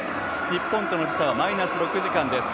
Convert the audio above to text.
日本との時差はマイナス６時間です。